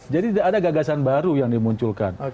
jadi ada gagasan baru yang dimunculkan